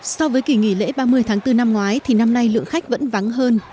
so với kỷ nghỉ lễ ba mươi tháng bốn năm ngoái thì năm nay lượng khách vẫn vắng hơn